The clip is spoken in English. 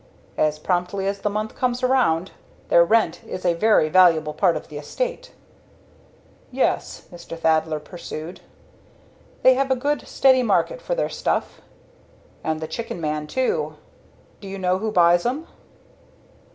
"As prompt as the month comes round. Their rent is a very valuable part of the estate." "Yes," Mr. Thaddler pursued. "They have a good steady market for their stuff. And the chicken man, too. Do you know who buys 'em?"